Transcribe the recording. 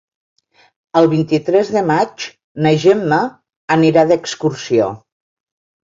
El vint-i-tres de maig na Gemma anirà d'excursió.